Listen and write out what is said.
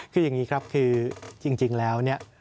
คืออย่างนี้ครับคือจริงแล้วเนี่ย